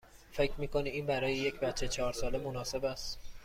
فکر می کنید این برای یک بچه چهار ساله مناسب است؟